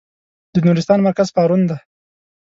د نورستان مرکز پارون دی.